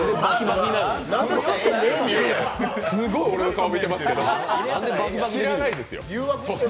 すごい、俺の顔見てますけど、知らないですよ。